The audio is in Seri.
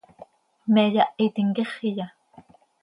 ¿Me yáhitim quíxiya?